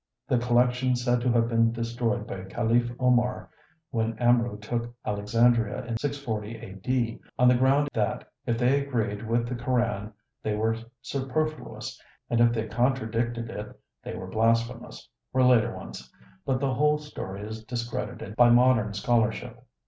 The collections said to have been destroyed by Caliph Omar when Amru took Alexandria in 640 A.D., on the ground that if they agreed with the Koran they were superfluous and if they contradicted it they were blasphemous, were later ones; but the whole story is discredited by modern scholarship.